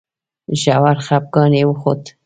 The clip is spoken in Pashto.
ژور خپګان یې وښود.